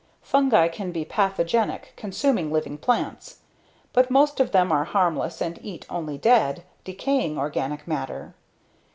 Fungi can be pathogenic, consuming living plants. But most of them are harmless and eat only dead, decaying organic matter.